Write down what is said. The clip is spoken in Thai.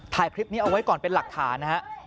ถ่ายคลิปนี้เอาไว้ก่อนเป็นหลักฐานนะฮะ